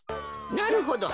なるほど。